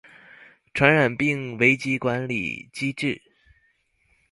傳染病危機管理機制